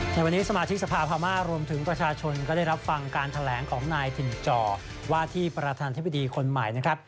ในวันนี้สมาชิกสภาพม่ารวมถึงประชาชนก็ได้รับฟังการแถลงของนายถิ่นจอว่าที่ประธานธิบดีคนใหม่นะครับ